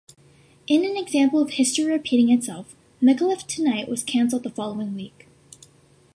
In an example of history repeating itself, Micallef Tonight was cancelled the following week.